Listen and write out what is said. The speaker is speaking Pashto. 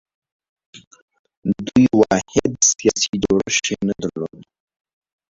دوی واحد سیاسي جوړښت یې نه درلود